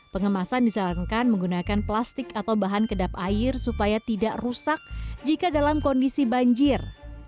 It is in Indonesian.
pengemasan disarankan menggunakan plastik atau bahan kedap air supaya tidak rusak jika dalam kondisi banjir